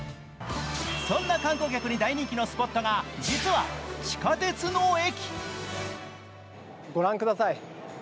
そんな観光客に大人気のスポットが実は地下鉄の駅。